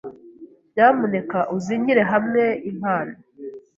Nyamuneka uzingire hamwe impano.